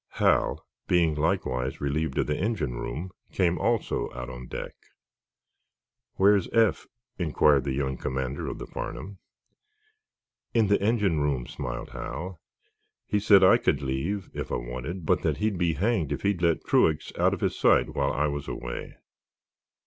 Hal, being likewise relieved in the engine room, came also out on deck. "Where's Eph?" inquired the young commander of the "Farnum." "In the engine room," smiled Hal. "He said I could leave, if I wanted, but that he'd be hanged if he'd let Truax out of his sight while I was away."